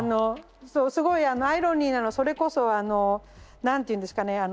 そうすごいアイロニーなのをそれこそあの何ていうんですかね